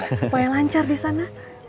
supaya lancar di sana